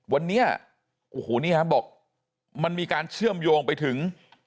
วันนี้มันเชื่อมโยงไปถึง